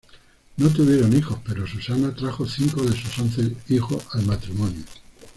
No tuvieron hijos, pero Susana trajo cinco de sus once hijos al matrimonio.